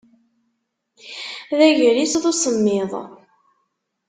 D agris d usemmiḍ.